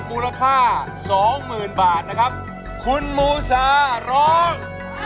มูลค่าสองหมื่นบาทนะครับคุณมูซาร้อง